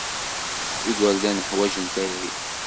Igerdan ḥwajen tayri.